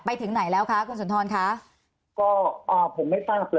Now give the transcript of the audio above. ไปถึงไหนแล้วคะคุณสุนทรคะก็อ่าผมไม่ทราบเลย